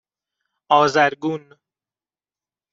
آذرگون